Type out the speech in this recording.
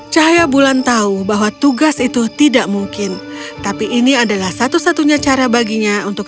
cahaya bulan tahu bahwa tugas itu tidak mungkin tapi ini adalah satu satunya cara baginya untuk